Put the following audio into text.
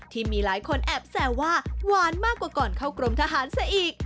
ที่มีหลายคนแอบแซวว่าหวานมากกว่าก่อนเข้ากรมทหารซะอีก